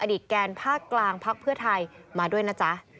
แกนภาคกลางพักเพื่อไทยมาด้วยนะจ๊ะ